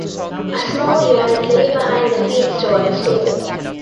A small yard lay behind the feed store and stable.